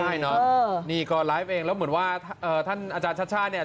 ใช่เนอะนี่ก็ไลฟ์เองแล้วเหมือนว่าท่านอาจารย์ชัชชาติเนี่ย